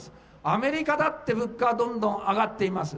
アメリカだって物価はどんどん上がっています。